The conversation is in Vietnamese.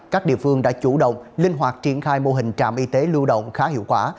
các địa phương đã chủ động linh hoạt triển khai mô hình trạm y tế lưu động khá hiệu quả